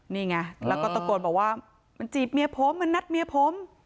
นี่ไงแล้วก็ตะโกนบอกว่ามันจีบเมียผมมันนัดเมียผม